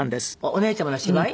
お姉ちゃまの芝居？